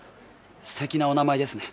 すてきなお名前ですね。